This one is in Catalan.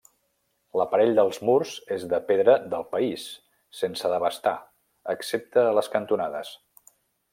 L'aparell dels murs és de pedra del país sense desbastar, excepte a les cantonades.